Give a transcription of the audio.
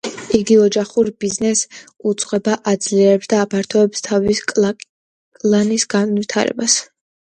იგი ოჯახურ ბიზნესს უძღვება, აძლიერებს და აფართოვებს თავისი კლანის გავლენას.